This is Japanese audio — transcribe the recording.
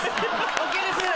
ＯＫです